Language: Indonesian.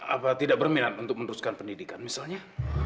apa tidak berminat untuk meneruskan pendidikan misalnya